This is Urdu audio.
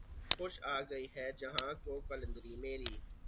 خوش آ گئی ہے جہاں کو قلندری میری